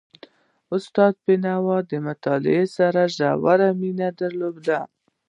استاد بينوا د مطالعې سره ژوره مینه درلودله.